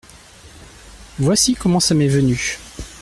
Voici comment ça m’est venu…